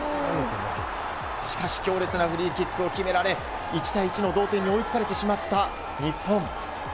しかし強烈なフリーキックを決められ１対１の同点に追いつかれてしまった日本。